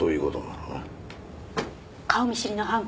顔見知りの犯行。